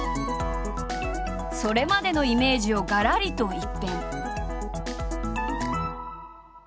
それまでのイメージをがらりと一変。